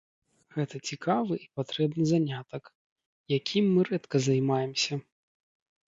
Гэта цікавы і патрэбны занятак, якім мы рэдка займаемся.